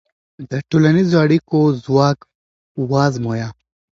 د ټولنیزو اړیکو ځواک وازمویه.